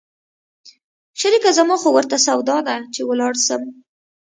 شريکه زما خو ورته سودا ده چې ولاړ سم.